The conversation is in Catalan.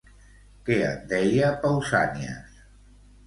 Què en deia Pausànias?